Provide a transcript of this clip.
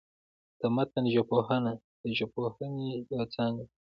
د متن ژبپوهنه، د ژبپوهني یوه څانګه ده.